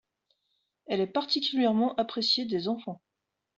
Elle est particulièrement appréciée des enfants.